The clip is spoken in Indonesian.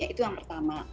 itu yang pertama